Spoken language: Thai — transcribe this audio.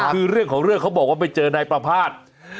คือเรื่องของเรื่องเขาบอกว่าไปเจอนายประภาษณ์